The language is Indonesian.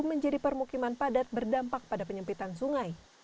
menjadi permukiman padat berdampak pada penyempitan sungai